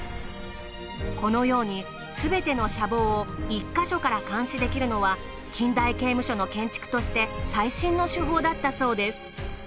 このようにすべての舎房を１か所から監視できるのは近代刑務所の建築として最新の手法だったそうです。